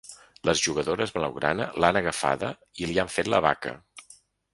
Les jugadores blau-grana l’han agafada i li han fet la baca.